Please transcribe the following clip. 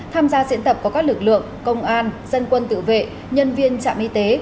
tham gia diễn tập có các lực lượng công an dân quân tự vệ nhân viên trạm y tế